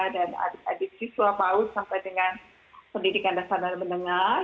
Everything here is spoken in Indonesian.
dan adik adik siswa maus sampai dengan pendidikan dasar dan menengah